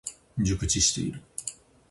熟知している。